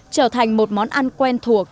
trở thành một món ăn quen thuộc